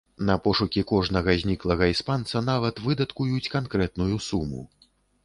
На пошукі кожнага зніклага іспанца нават выдаткуюць канкрэтную суму.